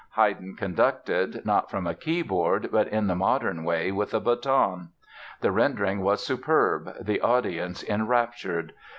Haydn conducted, not from a keyboard, but in the modern way, with a baton. The rendering was superb, the audience enraptured.